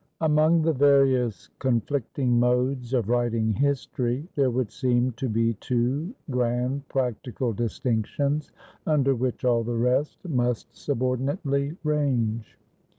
Among the various conflicting modes of writing history, there would seem to be two grand practical distinctions, under which all the rest must subordinately range.